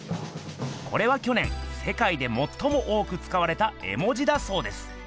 これはきょ年せかいでもっとも多くつかわれた絵文字だそうです。